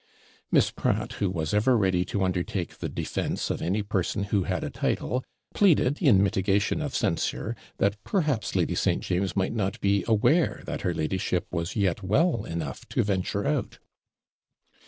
Miss Pratt, who was ever ready to undertake the defence of any person who had a title, pleaded, in mitigation of censure, that perhaps Lady St. James might not be aware that her ladyship was yet well enough to venture out.